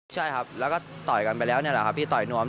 ใช่ครับแล้วก็ต่อยกันไปแล้วนี่แหละครับพี่ต่อยนวม